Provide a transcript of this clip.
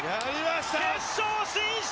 決勝進出！